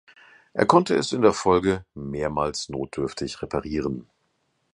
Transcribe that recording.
Er konnte es in der Folge mehrmals notdürftig reparieren.